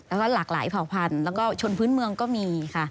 แล้วก็หลากหลายเผ่าพันธุ์แล้วก็ชนพื้นเมืองก็มีค่ะ